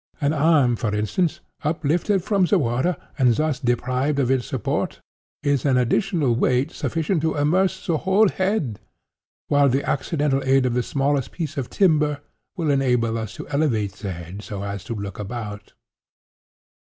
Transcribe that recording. An arm, for instance, uplifted from the water, and thus deprived of its support, is an additional weight sufficient to immerse the whole head, while the accidental aid of the smallest piece of timber will enable us to elevate the head so as to look about.